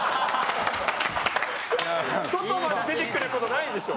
外まで出てくることないでしょ。